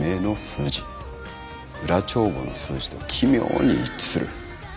裏帳簿の数字と奇妙に一致する。